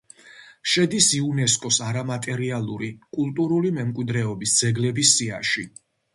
შედის იუნესკოს არამატერიალური კულტურული მემკვიდრეობის ძეგლების სიაში.